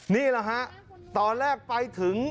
นี่แหละฮะตอนแรกไปถึง